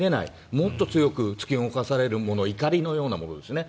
もっと強く突き動かされるもの怒りのようなものですね。